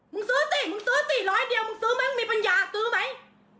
มึงซื้อสิมึงซื้อสิร้อยเดียวมึงซื้อไหมมึงมีปัญญาซื้อไหม